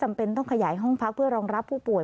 จำเป็นต้องขยายห้องพักเพื่อรองรับผู้ป่ว